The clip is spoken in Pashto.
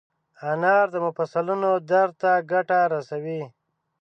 انار د مفصلونو درد ته ګټه رسوي.